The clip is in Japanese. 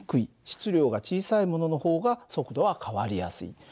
質量が小さいものの方が速度は変わりやすい。